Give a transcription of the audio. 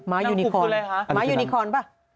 ม้ายูนิคอล